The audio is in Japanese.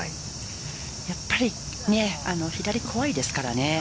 やっぱり左、怖いですからね。